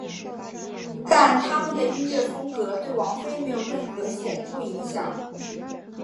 但他们的音乐风格对王菲没有任何显着影响。